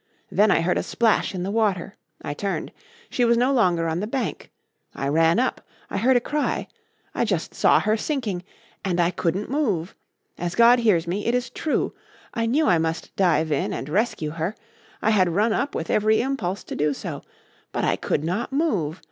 Then I heard a splash in the water. I turned. She was no longer on the bank. I ran up. I heard a cry. I just saw her sinking. AND I COULDN'T MOVE. As God hears me, it is true. I knew I must dive in and rescue her I had run up with every impulse to do so; BUT I COULD NOT MOVE.